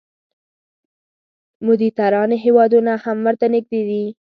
مدیترانې هېوادونه هم ورته نږدې دي.